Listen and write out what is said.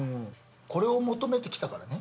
これを求めて来たからね。